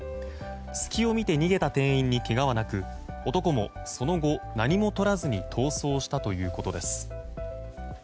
隙を見て逃げた店員にけがはなく男もその後、何もとらずに逃走したということです。